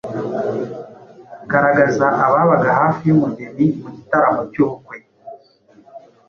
Garagaza ababaga hafi y’umugeni mu gitaramo cy’ubukwe